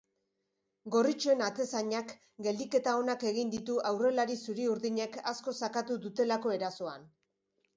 Gorritxoen atezainak geldiketa onak egin ditu aurrelari zuri-urdinek asko sakatu dutelako erasoan.